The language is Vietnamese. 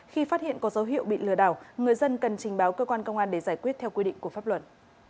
khi phát hiện có dấu hiệu bị lừa đảo người dân cần trình báo cơ quan công an để giải quyết theo quy định của pháp luật